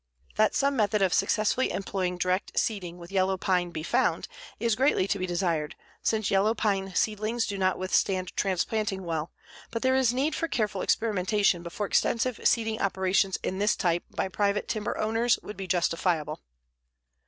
That some method of successfully employing direct seeding with yellow pine be found is greatly to be desired, since yellow pine seedlings do not withstand transplanting well, but there is need for careful experimentation before extensive seeding operations in this type by private timber owners would be justifiable.